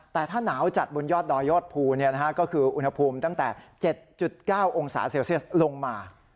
แต่ถ้าหนาวจัดบนยอดดอยยอดภูก็คืออุณหภูมิตั้งแต่๗๙องศาเซลเซียสลงมา